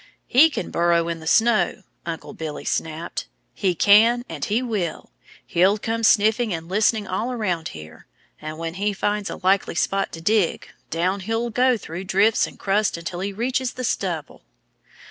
"He can burrow in the snow!" Uncle Billy snapped. "He can and he will. He'll come sniffing and listening all around here. And when he finds a likely spot to dig, down he'll go through drifts and crusts until he reaches the stubble."